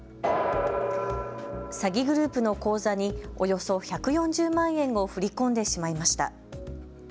詐欺グループの口座におよそ１４０万円を振り込んでしまいました。